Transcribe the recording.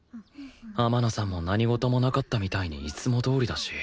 天野さんも何事もなかったみたいにいつもどおりだし